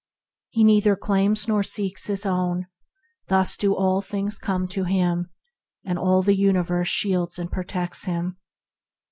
He neither claims nor seeks his own; thus do all things come to him, and all the universe shields and protects him.